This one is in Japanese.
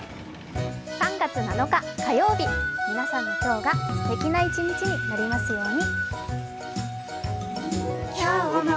３月７日火曜日、皆さんの今日がすてきな一日になりますように。